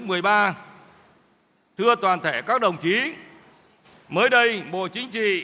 mười ba thưa toàn thể các đồng chí mới đây bộ chính trị